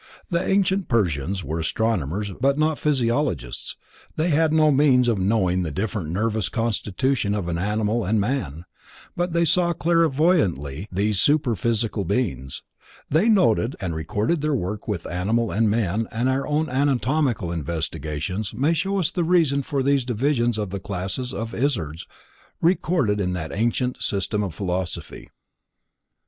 The ancient Persians were astronomers but not physiologists, they had no means of knowing the different nervous constitution of animal and man, but they saw clairvoyantly these superphysical beings, they noted and recorded their work with animal and men and our own anatomical investigations may show us the reason for these divisions of the classes of Izzards recorded in that ancient system of philosophy.